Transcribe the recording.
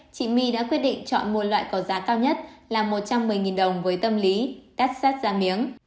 chị my đã quyết định chọn mua loại có giá cao nhất là một trăm một mươi đồng với tâm lý cắt sát ra miếng